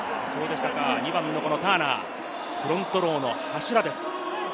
２番のターナー、フロントローの柱です。